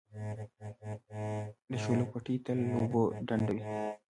د شولو پټي تل له اوبو ډنډ وي.